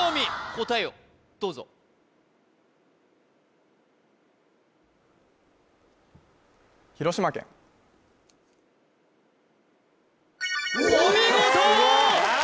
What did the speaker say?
答えをどうぞお見事ええ